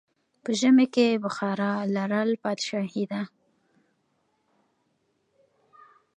په ژمی کې بخارا لرل پادشاهي ده.